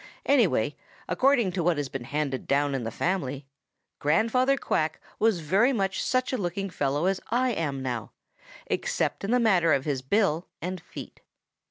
Anyway, according to what has been handed down in the family, Grandfather Quack was very much such a looking fellow as I am now, except in the matter of his bill and feet.